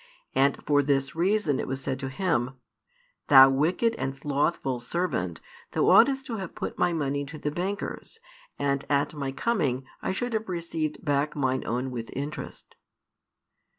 And for this reason it was said to him: Thou wicked and slothful servant, thou oughtest to have put my money to the bankers, and at my coming I should have received back mine own with interest.